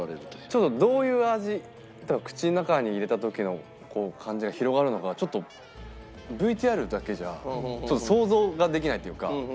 ちょっとどういう味口の中に入れた時の感じが広がるのかちょっとＶＴＲだけじゃ想像ができないというか。